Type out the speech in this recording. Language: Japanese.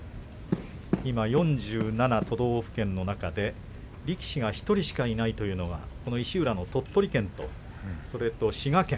今、４７都道府県の中で力士が１人しかいないというのはこの石浦の鳥取県と滋賀県